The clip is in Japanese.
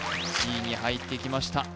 Ｇに入ってきました